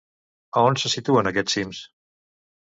A on se situen aquests cims?